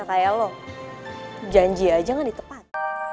gak payah lo janji aja kan di tepat